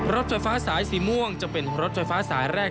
รถไฟฟ้าสายสีม่วงจะเป็นรถไฟฟ้าสายแรก